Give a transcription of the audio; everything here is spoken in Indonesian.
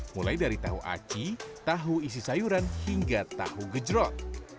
mulai dari tahu aci tahu isi sayuran hingga tahu gejrot